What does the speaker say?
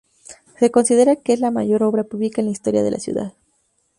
Se considera que es la mayor obra pública en la historia de la ciudad.